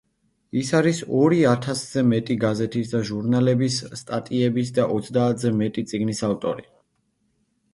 ის არის ორი ათასზე მეტი გაზეთის და ჟურნალების სტატიების და ოცდაათზე მეტი წიგნის ავტორი.